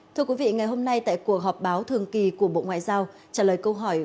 thưa quý vị ngày hôm nay tại cuộc họp báo thường kỳ của bộ ngoại giao trả lời câu hỏi